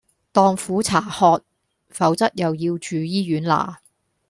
當苦茶喝，否則又要住醫院啦